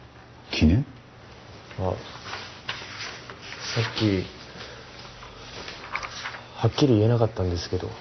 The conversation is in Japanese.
あっさっきはっきり言えなかったんですけど。